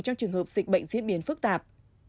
trong trường hợp dịch bệnh diễn biến phức tạp